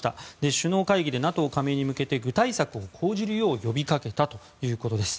首脳会議でＮＡＴＯ加盟に向けて具体策を講じるよう呼びかけたということです。